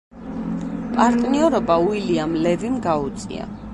პარტნიორობა უილიამ ლევიმ გაუწია.